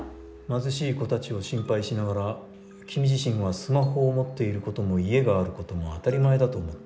貧しい子たちを心配しながら君自身はスマホを持っていることも家があることも当たり前だと思っている。